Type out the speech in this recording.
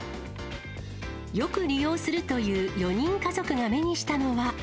よく利用するという４人家族が目にしたのは。